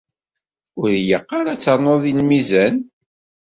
Ur ilaq ara ad ternuḍ deg lmizan.